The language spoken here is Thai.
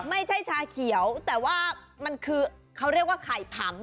ไม่ใช่ชาเขียวแต่ว่ามันคือเขาเรียกว่าไข่ผำ